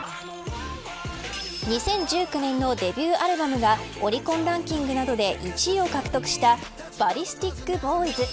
２０１９年のデビューアルバムがオリコンランキングなどで１位を獲得したＢＡＬＬＩＳＴＩＫＢＯＹＺ。